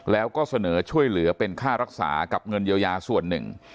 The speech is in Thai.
แล้วก็เสนอช่วยเหลือเป็นค่ารักษากับเงินเยียวยาส่วนหนึ่ง